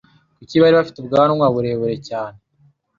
kuko bari bafite ubwanwa burebure cyane